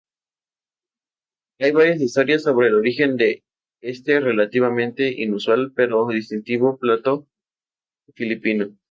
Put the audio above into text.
Hay varias historias sobre el origen de este relativamente inusual pero distintivo plato filipino.